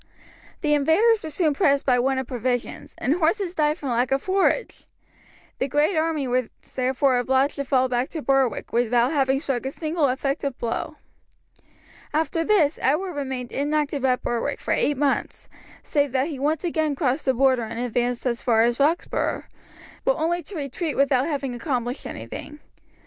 The invaders were soon pressed by want of provisions, and horses died from lack of forage. The great army was therefore obliged to fall back to Berwick without having struck a single effective blow. After this Edward remained inactive at Berwick for eight months, save that he once again crossed the Border and advanced as far as Roxburgh, but only to retreat without having accomplished anything.